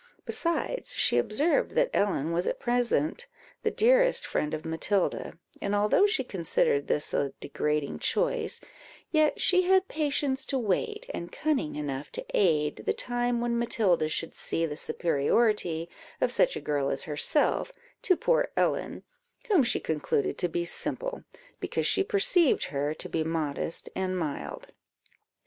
Besides, she observed that Ellen was at present the dearest friend of Matilda; and although she considered this a degrading choice, yet she had patience to wait, and cunning enough to aid, the time when Matilda should see the superiority of such a girl as herself to poor Ellen, whom she concluded to be simple, because she perceived her to be modest and mild.